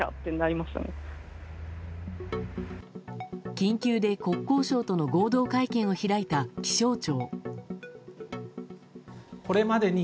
緊急で国交省との合同会見を開いた気象庁。